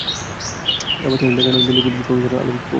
তারপর তিনি দেখা করেন দিল্লির পুলিশ কমিশনার অলোক কুমার ভার্মার সঙ্গে।